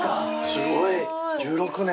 すごい１６年。